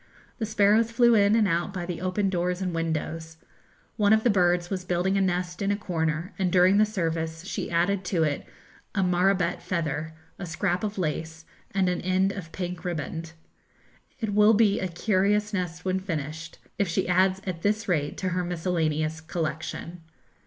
The sparrows flew in and out by the open doors and windows. One of the birds was building a nest in a corner, and during the service she added to it a marabout feather, a scrap of lace, and an end of pink riband. It will be a curious nest when finished, if she adds at this rate to her miscellaneous collection.